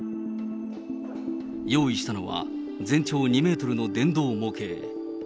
用意したのは、全長２メートルの電動模型。